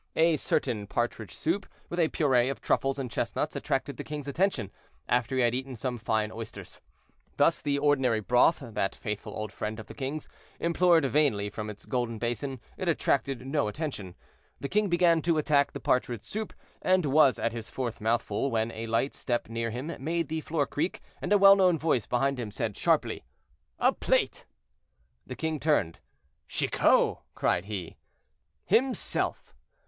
A certain partridge soup, with a purée of truffles and chestnuts, attracted the king's attention, after he had eaten some fine oysters. Thus the ordinary broth, that faithful old friend of the king's, implored vainly from its golden basin; it attracted no attention. The king began to attack the partridge soup, and was at his fourth mouthful, when a light step near him made the floor creak, and a well known voice behind him said sharply, "A plate!" The king turned. "Chicot!" cried he. "Himself."